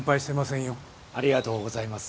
ありがとうございます。